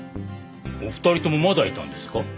お二人ともまだいたんですか？